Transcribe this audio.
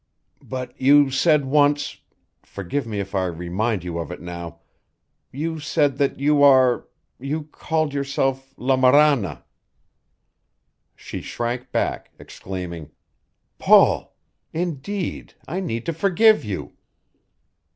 "But you said once forgive me if I remind you of it now you said that you are you called yourself 'La Marana.'" She shrank back, exclaiming: "Paul! Indeed, I need to forgive you!"